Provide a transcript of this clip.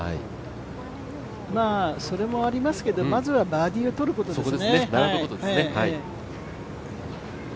それもありますけどまずはバーディーをとることですね。